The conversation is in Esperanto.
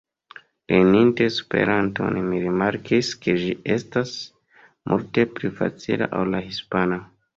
Lerninte Esperanton mi rimarkis, ke ĝi estas multe pli facila ol la hispana.